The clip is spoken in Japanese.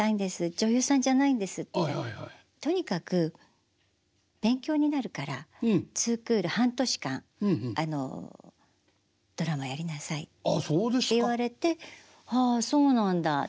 女優さんじゃないんです」って言ったら「とにかく勉強になるから２クール半年間ドラマやりなさい」って言われて「はあそうなんだ」って思いながらね